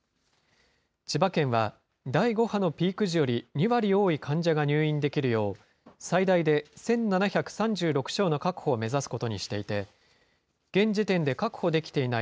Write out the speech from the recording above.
千葉県は、第５波のピーク時より２割多い患者が入院できるよう、最大で１７３６床の確保を目指すことにしていて、現時点で確保できていない